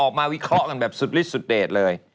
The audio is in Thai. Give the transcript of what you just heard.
ออกมาวิเคราะห์กันแบบสุดฤทธิ์เดตเลย